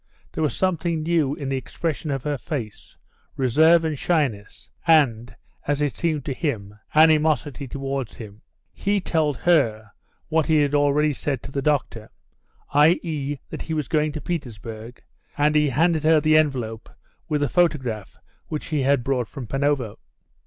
There was something new in the expression of her face, reserve and shyness, and, as it seemed to him, animosity towards him. He told her what he had already said to the doctor, i.e., that he was going to Petersburg, and he handed her the envelope with the photograph which he had brought from Panovo.